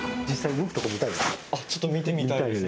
あっちょっと見てみたいですね。